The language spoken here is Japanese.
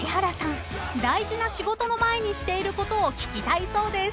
［大事な仕事の前にしていることを聞きたいそうです］